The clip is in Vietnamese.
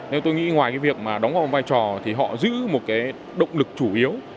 nên tôi nghĩ ngoài việc đóng góp một vai trò thì họ giữ một động lực chủ yếu